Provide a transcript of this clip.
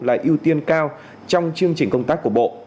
là ưu tiên cao trong chương trình công tác của bộ